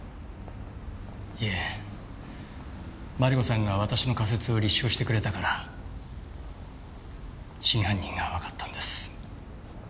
いえマリコさんが私の仮説を立証してくれたから真犯人がわかったんです。